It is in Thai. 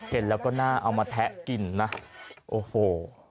เห็นแล้วก็น่าเอามาแทะกินนะโอ้โห